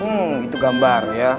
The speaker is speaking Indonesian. hmm itu gambar ya